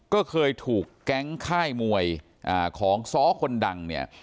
ก็เคยถูกแก๊งค่ายมวยของซ้อคนดังเนี่ย